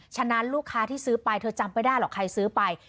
ฉะนั้นลูกค้าที่ซื้อไปเธอจำไม่ได้หรอกใครซื้อไป